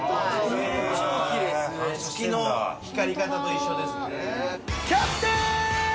月の光り方と一緒ですね。